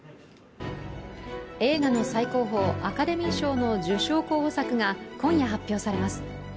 映画の最高峰、アカデミー賞の受賞候補作が今夜発表されます。